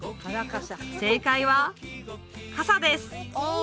正解は「傘」です！